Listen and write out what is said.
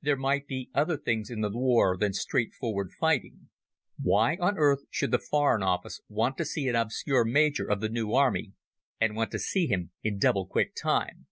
There might be other things in the war than straightforward fighting. Why on earth should the Foreign Office want to see an obscure Major of the New Army, and want to see him in double quick time?